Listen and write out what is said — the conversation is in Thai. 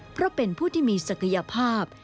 เพราะเป็นผู้ที่มีศักยภาพ